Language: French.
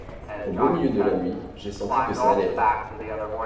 Au beau milieu de la nuit, j’ai senti que ça n’allait pas.